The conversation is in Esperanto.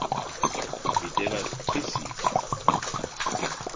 Mi devas pisi